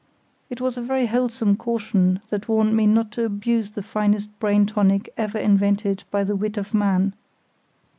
It was a very wholesome caution that warned me not to abuse the finest brain tonic ever invented by the wit of man.